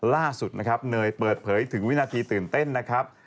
ล่าสุดนะครับเนยเปิดเผยถึงวินาทีตื่นเต้นนะครับ